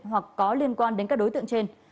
hoặc có liên quan đến các đối tượng trên